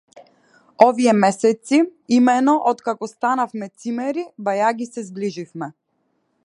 Овие месеци, имено, откако станавме цимери, бајаги се зближивме.